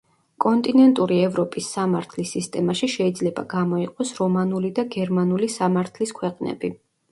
კონტინენტური ევროპის სამართლის სისტემაში შეიძლება გამოიყოს რომანული და გერმანული სამართლის ქვეყნები.